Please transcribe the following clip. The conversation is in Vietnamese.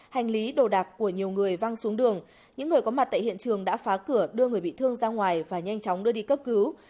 hành lý đồ đạc của nhiều người văng xuống đường những người có mặt tại hiện trường đã phá cửa đưa người bị thương ra ngoài và nhanh chóng đưa đi cấp cứu